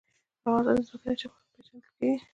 افغانستان د ځمکنی شکل له مخې پېژندل کېږي.